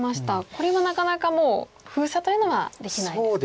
これはなかなかもう封鎖というのはできないですかね。